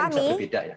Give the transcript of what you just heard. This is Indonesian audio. ini kan bisa berbeda ya